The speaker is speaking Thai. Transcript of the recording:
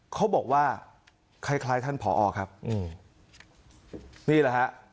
เขาบอกว่าคล้ายคล้ายท่านผอครับนี่นี่แหละฮะ